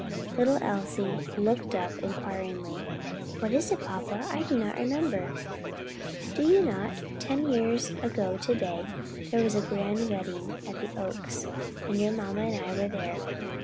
Little Elsie looked up inquiringly. "What is it, papa? I do not remember." "Do you not? Ten years ago to day there was a grand wedding at the Oaks, and your mamma and I were there."